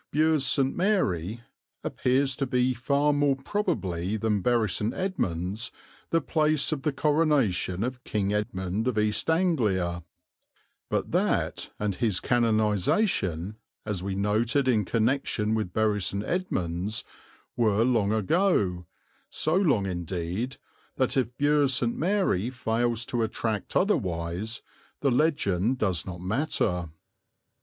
Bures St. Mary appears to be far more probably than Bury St. Edmunds the place of the coronation of King Edmund of East Anglia; but that and his canonization, as we noted in connection with Bury St. Edmunds, were long ago, so long indeed, that if Bures St. Mary fails to attract otherwise, the legend does not matter.